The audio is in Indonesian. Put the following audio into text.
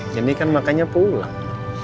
jadi kan makanya pulang